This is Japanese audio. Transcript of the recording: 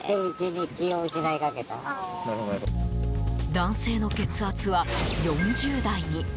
男性の血圧は４０台に。